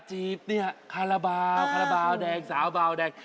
จีบเนี่ยคาราบาลคาราบาลแดงสาวบาวแดง